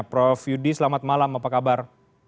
prof yudi selamat malam apa kabar